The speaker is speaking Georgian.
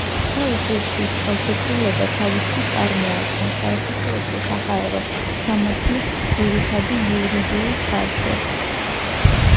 გარე სივრცის ხელშეკრულება თავისით წარმოადგენს საერთაშორისო საჰაერო სამართალის ძირითად იურიდიულ ჩარჩოს.